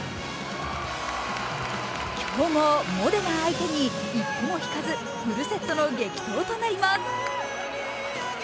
強豪モデナ相手に一歩も引かず、フルセットの激闘となります。